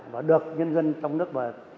và được nhân dân trong nước